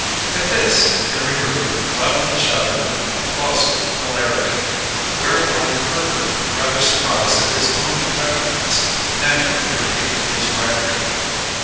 At this, Henry Rooter loudly shouted with applausive hilarity; whereupon Herbert, rather surprised at his own effectiveness, naturally repeated his waggery.